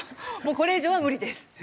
これ以上は無理です。